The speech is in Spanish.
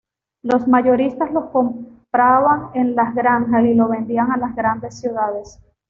Los mayoristas lo compraban en las granjas y lo enviaban a las grandes ciudades.